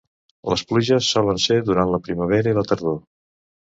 Les pluges solen ser durant la primavera i la tardor.